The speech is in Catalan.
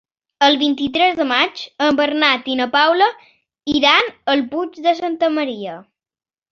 El vint-i-tres de maig en Bernat i na Paula iran al Puig de Santa Maria.